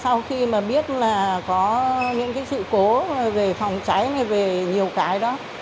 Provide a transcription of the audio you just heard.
sau khi mà biết là có những cái sự cố về phòng cháy này về nhiều cái đó